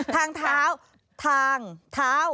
ทางเท้าทางเท้า